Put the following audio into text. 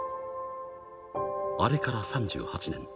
あれから３８年。